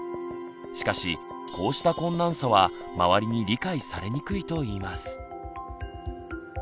しかしこうした困難さは周りに理解されにくいといいます。